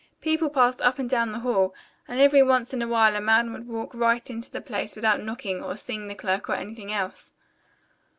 "People passed up and down the hall, and every once in a while a man would walk right into the place without knocking, or seeing the clerk, or anything else.